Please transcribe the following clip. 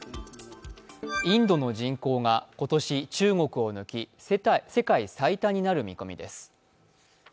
インドの人口が今年中国を抜き世界最多になる見込みです。